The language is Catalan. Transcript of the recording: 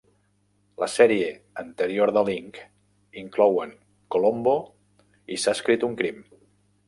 La sèrie anterior de Link inclouen "Colombo" i "S'ha escrit un crim".